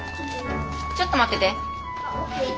ちょっと待ってて。